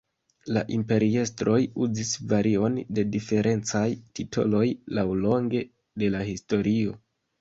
La imperiestroj uzis varion de diferencaj titoloj laŭlonge de la historio.